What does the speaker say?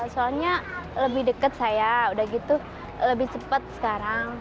soalnya lebih dekat saya udah gitu lebih cepat sekarang